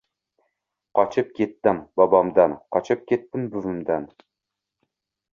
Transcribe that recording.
Qochib ketdim bobomdan, qochib ketdim buvimdan